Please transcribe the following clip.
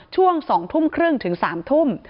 ช่วง๒ทุ่มครึ่งถึง๓ทุ่ม